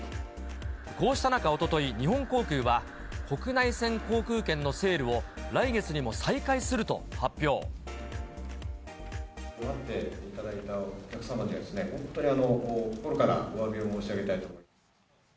こうした中、おととい日本航空は、国内線航空券のセールを、来月に待っていただいたお客様には、本当に心からおわびを申し上げたいと。